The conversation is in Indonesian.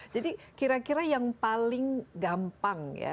jadi kira kira yang paling gampang